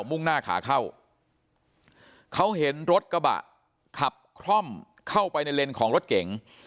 มุ่งหน้าขาเข้าเขาเห็นรถกระบะขับคล่อมเข้าไปในเลนของรถเก๋ง